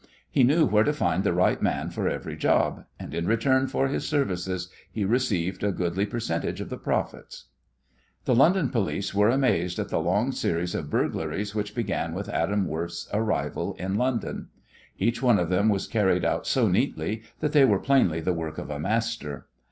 He knew where to find the right man for every job, and in return for his services he received a goodly percentage of the profits. The London police were amazed at the long series of burglaries which began with Adam Worth's arrival in London. Each one of them was carried out so neatly that they were plainly the work of a master.